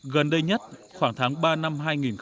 gần đây nhất khoảng tháng ba năm hai nghìn một mươi tám